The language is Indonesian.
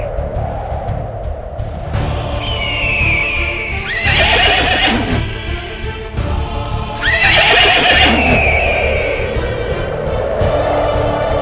saya akan menjaga kebenaran raden